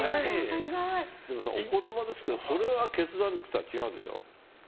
でも、お言葉ですけどそれは決断力とは違うでしょ。